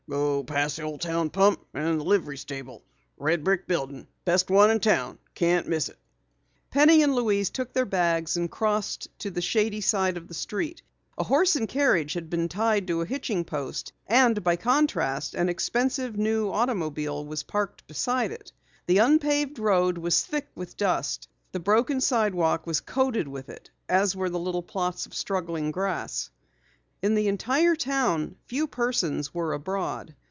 "Go past the old town pump, and the livery stable. A red brick building. Best one in town. You can't miss it." Penny and Louise took their bags and crossed to the shady side of the street. A horse and carriage had been tied to a hitching post and by contrast an expensive, new automobile was parked beside it. The unpaved road was thick with dust; the broken sidewalk was coated with it, as were the little plots of struggling grass. In the entire town few persons were abroad.